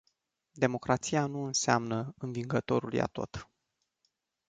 Democrația nu înseamnă "învingătorul ia totul”.